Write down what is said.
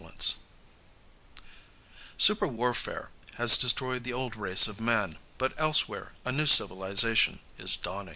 net _Super warfare has destroyed the old race of man, but elsewhere a new civilization is dawning....